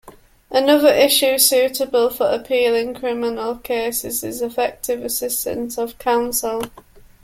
Another issue suitable for appeal in criminal cases is effective assistance of counsel.